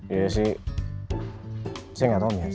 iya sih saya gak tau ya